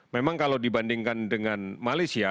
memang kalau dibandingkan dengan malaysia